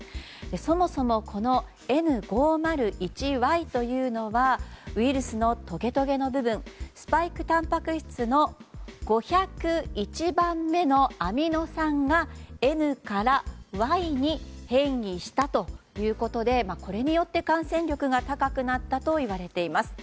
そもそもこのＮ５０１Ｙというのはウイルスのとげとげの部分スパイクたんぱく質の５０１番目のアミノ酸がＮからＹに変異したということでこれによって、感染力が高くなったといわれています。